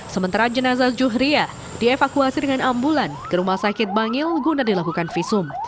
sementara jenazah juhria dievakuasi dengan ambulan ke rumah sakit bangil guna dilakukan visum